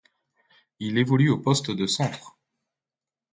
Il évolue au poste de centre.